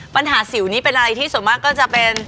ปัญหาสิวนี้เป็นอะไรที่ส่วนมากก็จะเป็น